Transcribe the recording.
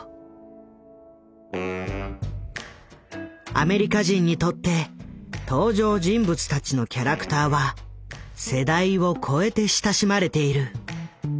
アメリカ人にとって登場人物たちのキャラクターは世代を超えて親しまれている。